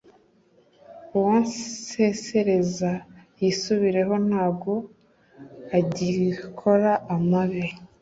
Uwo nsesereza yisubireho nago agikora amabi